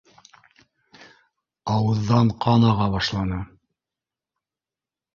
Ауыҙҙан ҡан аға башланы.